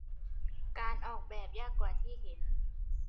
การออกแบบยากกว่าที่เห็น